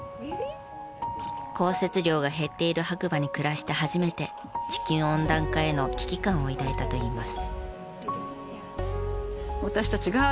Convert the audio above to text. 降雪量が減っている白馬に暮らして初めて地球温暖化への危機感を抱いたといいます。